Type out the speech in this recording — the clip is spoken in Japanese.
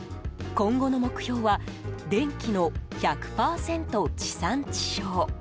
今後の目標は電気の１００％地産地消。